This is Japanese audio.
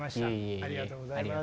ありがとうございます。